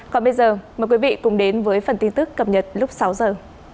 còn bây giờ mời quý vị cùng đến với phần tin tức cập nhật lúc sáu giờ